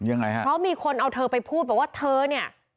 เพราะมีคนเอาเธอไปพูดว่าเธอเนี่ย